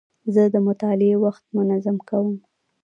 زه د مطالعې وخت منظم کوم.